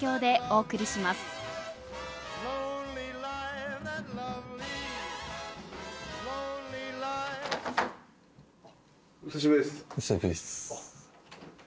お久しぶりです。